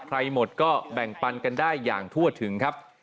หมดก็แบ่งปันกันได้อย่างทั่วถึงครับ